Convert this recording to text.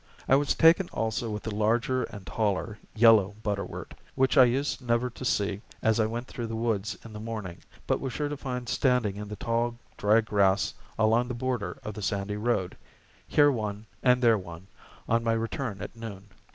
I was taken also with the larger and taller (yellow) butterwort, which I used never to see as I went through the woods in the morning, but was sure to find standing in the tall dry grass along the border of the sandy road, here one and there one, on my return at noon.